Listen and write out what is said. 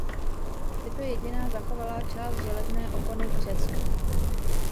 Je to jediná zachovalá část železné opony v Česku.